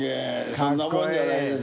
そんなもんじゃないです。